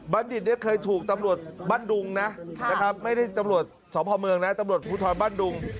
ดิตเนี่ยเคยถูกตำรวจบ้านดุงนะนะครับไม่ได้ตำรวจสพเมืองนะตำรวจภูทรบ้านดุง